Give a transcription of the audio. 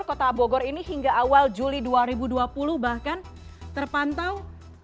kota bogor ini hingga awal juli dua ribu dua puluh bahkan terpantau